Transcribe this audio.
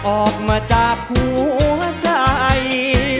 ออกมาจากหัวใจ